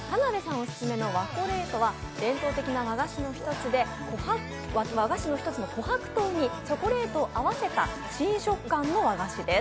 オススメのＷＡＣＯＬＡＴＥは伝統的な和菓子の一つの琥珀糖にチョコレートを合わせた新食感の和菓子です。